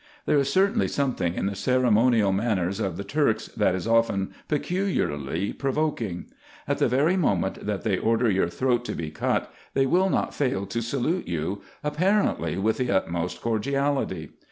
There is certainly something in the ceremonial manners of the Turks, that is often peculiarly provoking. At the very moment that they order your throat to be cut, they will not fail to salute you, apparently, with the utmost cordiality.